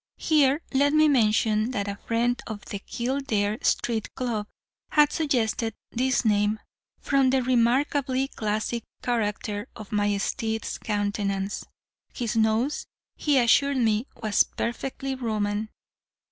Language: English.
Here let me mention that a friend of the Kildare Street club had suggested this name from the remarkably classic character of my steed's countenance; his nose, he assured me, was perfectly Roman.